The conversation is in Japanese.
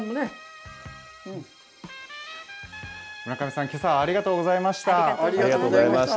村上さん、けさはありがとうありがとうございました。